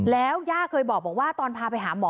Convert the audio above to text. แล้วย่าเคยบอกว่าตอนพาไปหาหมอ